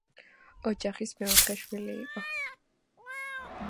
ოჯახის მეოთხე შვილი იყო.